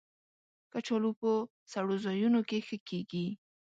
کچالو په سړو ځایونو کې ښه کېږي